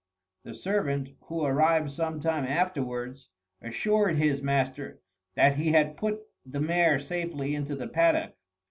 The servant, who arrived some time afterwards, assured his master that he had put the mare safely into the paddock.